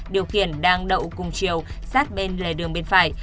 điều khiển đang đậu cùng chiều sát bên lề đường bên phải